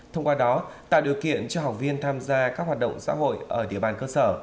thông qua đó tạo điều kiện cho học viên tham gia các hoạt động xã hội ở địa bàn cơ sở